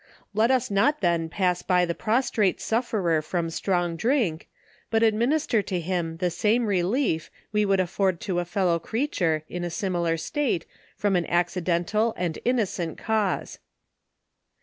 Let us not then, pass by the prostrate sufferer from strong drink, but administer to him the same relief, we would afford to a fellow creature, in a similar state, from an accidental and innocent cause.